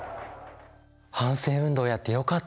反戦運動やってよかったね。